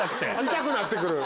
痛くなって来る。